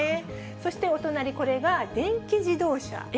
そしてお隣、これが電気自動車。